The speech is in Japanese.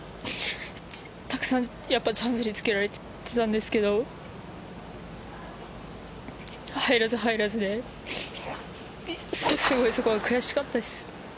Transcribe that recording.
たくさんチャンスにつけられていたんですけど入らず、入らずですごく悔しかったです。